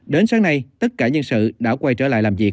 đến sáng nay tất cả nhân sự đã quay trở lại làm việc